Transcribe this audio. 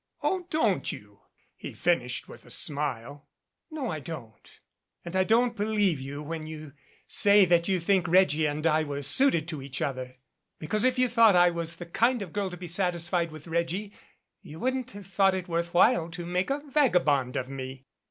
"Oh, don't you?" he finished with a smile. "No, I don't. And I don't believe you when you say that you think Reggie and I were suited to each other. Be cause if you thought I was the kind of girl to be satisfied with Reggie, you wouldn't have thought it worth while to make a vagabond of me."